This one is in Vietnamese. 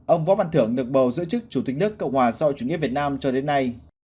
ông võ văn thưởng được bầu giữ chức chủ tịch nước cộng hòa sau chủ nghĩa việt nam cho đến nay